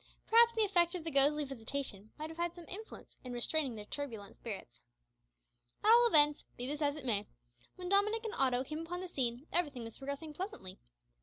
Perhaps the effect of the ghostly visitation might have had some influence in restraining their turbulent spirits. At all events, be this as it may, when Dominick and Otto came upon the scene everything was progressing pleasantly.